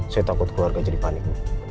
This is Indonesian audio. saya takut keluarga jadi panik